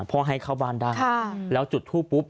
ให้เข้าบ้านได้แล้วจุดทูปปุ๊บ